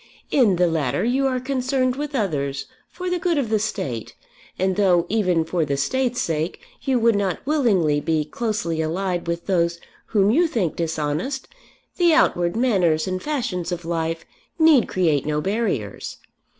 In the latter you are concerned with others for the good of the State; and though, even for the State's sake, you would not willingly be closely allied with those whom you think dishonest, the outward manners and fashions of life need create no barriers.